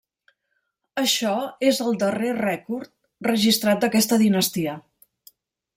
Això és el darrer rècord registrat d'aquesta dinastia.